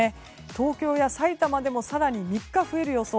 東京やさいたまでも更に３日増える予想。